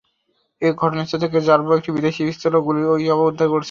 ঘটনাস্থল থেকে র্যাব একটি বিদেশি পিস্তল, গুলি ও ইয়াবা উদ্ধার করেছে।